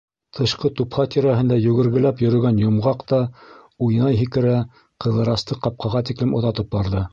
Тышҡы тупһа тирәһендә йүгергеләп йөрөгән Йомғаҡ та, уйнай-һикерә, Ҡыҙырасты ҡапҡаға тиклем оҙатып барҙы.